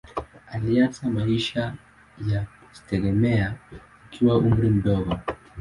Alianza maisha ya kujitegemea akiwa na umri mdogo.